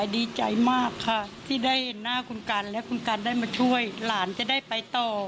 ดีใจมากค่ะที่ได้เห็นหน้าคุณกันและคุณกันได้มาช่วยหลานจะได้ไปต่อ